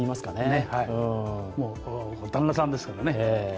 もう旦那さんですからね。